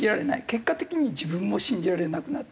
結果的に自分も信じられなくなってきて。